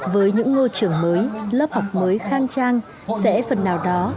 với những ngôi trường mới lớp học mới khang trang sẽ phần nào đó